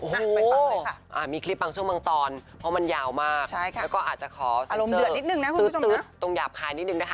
โอ้โหมีคลิปฟังช่วงบางตอนเพราะมันยาวมากแล้วก็อาจจะขอเซ็นเตอร์ซึ๊ดตรงหยาบคายนิดนึงนะคะ